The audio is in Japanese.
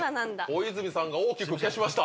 小泉さんが大きく消しました。